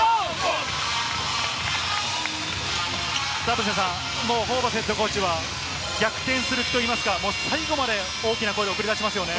田臥さん、もうホーバスＨＣは逆転するといいますか、最後まで大きな声で送り出しますよね。